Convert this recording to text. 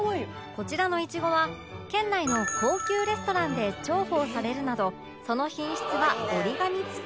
こちらのいちごは県内の高級レストランで重宝されるなどその品質は折り紙付き